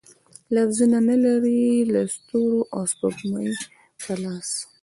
لفظونه، نه لري د ستورو او سپوږمۍ په لاس